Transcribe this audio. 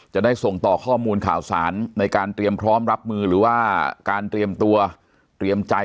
จะได้ส่งต่อข้อมูลข่าวสารในการเตรียมพร้อมรับมือหรือว่าการเตรียมตัวเตรียมใจ